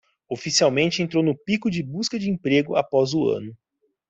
Oficialmente entrou no pico de busca de emprego após o ano